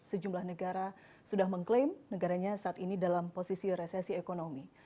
sejumlah negara sudah mengklaim negaranya saat ini dalam posisi resesi ekonomi